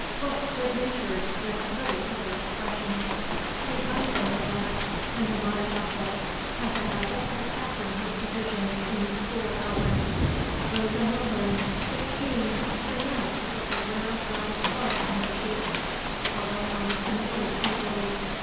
Looks good natured, with little other expression. Three buns in her bag, and a large apple. Has a habit of attacking her provisions in school hours. Rosa Milburn. Sixteen. Brunette, with a rare ripe flush in her cheeks. Color comes and goes easily.